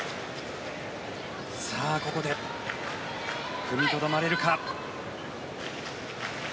さあ、ここで踏みとどまれるか。